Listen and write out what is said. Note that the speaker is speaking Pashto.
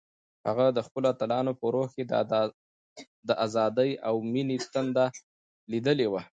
هغه د خپلو اتلانو په روح کې د ازادۍ او مینې تنده لیدلې وه.